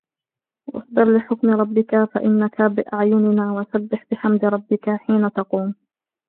وَاصْبِرْ لِحُكْمِ رَبِّكَ فَإِنَّكَ بِأَعْيُنِنَا وَسَبِّحْ بِحَمْدِ رَبِّكَ حِينَ تَقُومُ